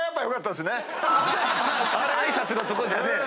挨拶のとこじゃねえ。